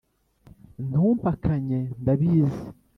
ntumpakanye ndabizi